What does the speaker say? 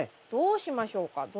どうしましょうか？